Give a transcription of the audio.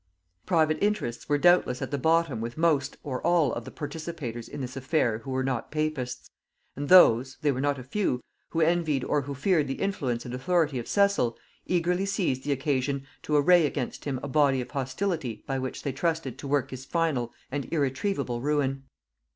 Private interests were doubtless at the bottom with most or all of the participators in this affair who were not papists; and those, they were not a few, who envied or who feared the influence and authority of Cecil, eagerly seized the occasion to array against him a body of hostility by which they trusted to work his final and irretrievable ruin.